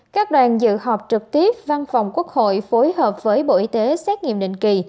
các đoàn dự họp trực tiếp văn phòng quốc hội phối hợp với bộ y tế xét nghiệm định kỳ